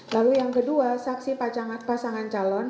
lalu yang kedua saksi pasangan calon